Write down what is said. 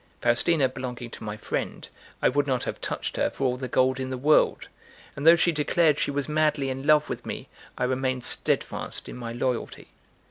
Faustina belonging to my friend, I would not have touched her for all the gold in the world; and though she declared she was madly in love with me, I remained steadfast in my loyalty.